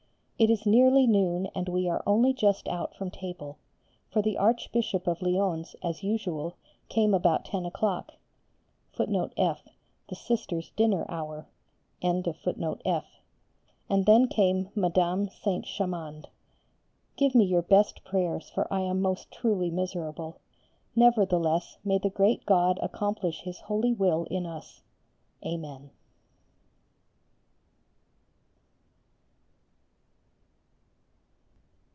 It is nearly noon and we are only just out from table; for the Archbishop of Lyons, as usual, came about 10 o'clock,[F] and then came Madame Saint Chamond. Give me your best prayers, for I am most truly miserable. Nevertheless, may the great God accomplish His holy will in us! Amen.